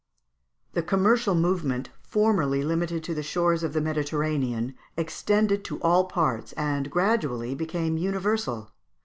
The commercial movement, formerly limited to the shores of the Mediterranean, extended to all parts, and gradually became universal.